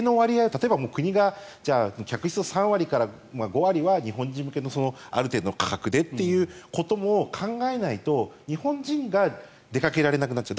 例えば、国がじゃあ、客室を３割から５割は日本人向けにある程度の価格でということも考えないと、日本人が出かけられなくなっちゃう。